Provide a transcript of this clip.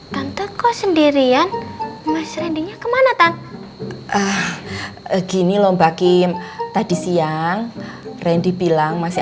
tante kok sendirian mas rendinya kemana tan ah gini lomba kim tadi siang randy bilang masih